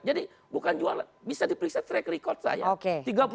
jadi bukan jualan bisa diperiksa track record saya